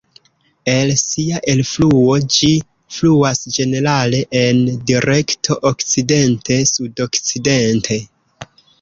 El sia elfluo, ĝi fluas ĝenerale en direkto okcidente-sudokcidente.